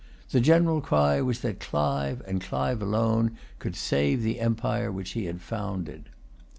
The general cry was that Clive, and Clive alone, could save the empire which he had founded.